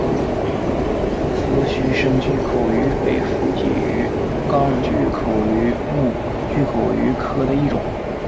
丝须深巨口鱼为辐鳍鱼纲巨口鱼目巨口鱼科的其中一种。